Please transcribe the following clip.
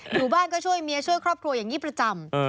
อยู่บ้านก็ช่วยเมียช่วยครอบครัวอย่างนี้ประจำ